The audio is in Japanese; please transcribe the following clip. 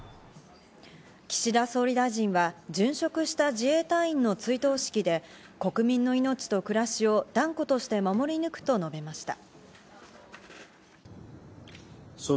岸田総理大臣は殉職した自衛隊員の追悼式で国民の命と暮らしを断固として守り抜くと述べました。